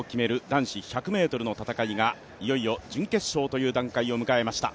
男子１００ｍの戦いが、いよいよ準決勝という段階を迎えました。